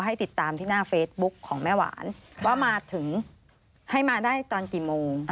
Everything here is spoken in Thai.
ให้ติดตามที่หน้าเฟซบุ๊กของแม่หวานว่ามาถึงให้มาได้ตอนกี่โมง